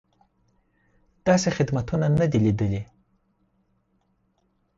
داسې خدمتونه نه دي لیدلي.